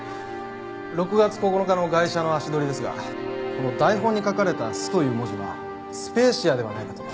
６月９日のガイシャの足取りですがこの台本に書かれた「ス」という文字はスペーシアではないかと。